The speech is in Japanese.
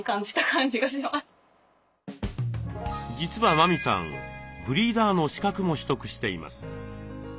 実は麻美さんブリーダーの資格も取得しています。